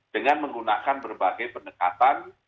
dengan menggunakan berbagai pendekatan